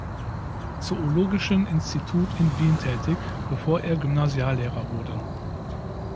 Zoologischen Institut in Wien tätig, bevor er Gymnasiallehrer wurde.